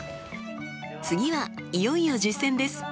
次はいよいよ実践です。